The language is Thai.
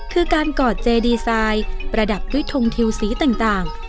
คือการกอดเจดีไซน์ประดับด้วยทงทิวสีต่าง